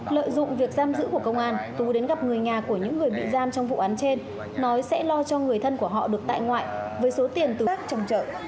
lợi dụng việc giam giữ của công an tú đến gặp người nhà của những người bị giam trong vụ án trên nói sẽ lo cho người thân của họ được tại ngoại với số tiền từ khách trồng trợ